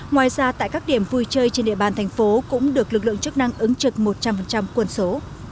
ngoài ra tại các điểm vui chơi trên địa bàn thành phố cũng được lực lượng chức năng ứng trực một trăm linh quân số